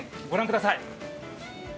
御覧ください。